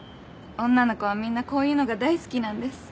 女の子はみんなこういうのが大好きなんです。